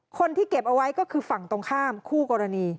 คนที่เก็บเอาไว้ก็คือฝั่งตรงข้ามคู่กรณี